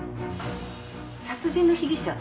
殺人の被疑者？